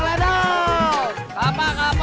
kelapa kelapa kelapa